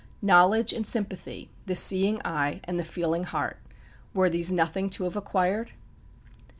Knowledge and sympathy, the seeing eye and the feeling heart were these nothing to have acquired?